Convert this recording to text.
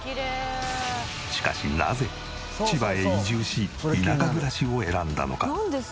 しかしなぜ千葉へ移住し田舎暮らしを選んだのか？